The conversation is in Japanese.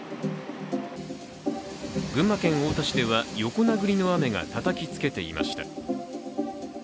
群馬県太田市では、横殴りの雨がたたきつけていました。